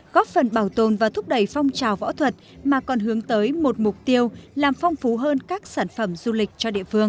góp phần bảo tồn và thúc đẩy phong trào võ thuật mà còn hướng tới một mục tiêu làm phong phú hơn các sản phẩm du lịch cho địa phương